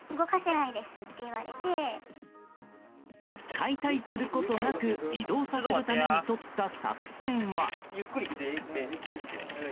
解体することなく移動させるためにとった作戦は。